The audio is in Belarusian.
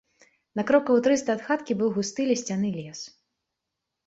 На крокаў трыста ад хаткі быў густы лісцяны лес.